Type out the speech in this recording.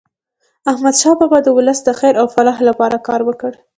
احمدشاه بابا د ولس د خیر او فلاح لپاره کار وکړ.